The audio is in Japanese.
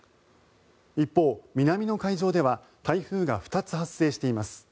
一方、南の海上では台風が２つ発生しています。